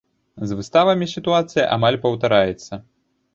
З выставамі сітуацыя амаль паўтараецца.